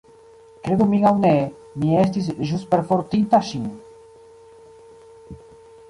Kredu min aŭ ne, mi estis ĵus perfortinta ŝin.